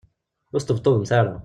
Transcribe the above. Ur sṭebṭubemt ara.